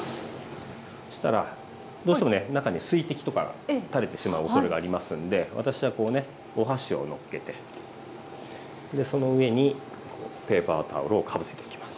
そしたらどうしてもね中に水滴とか垂れてしまうおそれがありますんで私はこうねお箸をのっけてその上にペーパータオルをかぶせていきます。